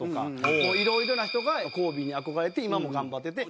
もういろいろな人がコービーに憧れて今も頑張ってて。